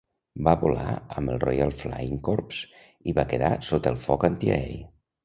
Va volar amb el Royal Flying Corps i va quedar sota el foc antiaeri.